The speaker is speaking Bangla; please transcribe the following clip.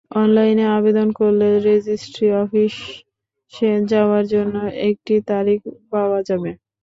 অনলাইনে আবেদন করলে রেজিস্ট্রি অফিসে যাওয়ার জন্য একটি তারিখ পাওয়া যাবে।